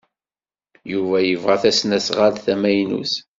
Yuba yebɣa tasnaɣalt tamaynut.